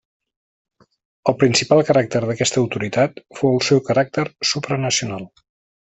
El principal caràcter d'aquesta autoritat fou el seu caràcter supranacional.